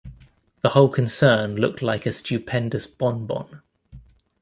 The whole concern looked like a stupendous bon-bon.